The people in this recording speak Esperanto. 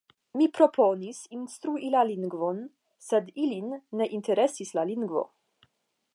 Mi proponis instrui la lingvon sed ilin ne interesis la lingvo.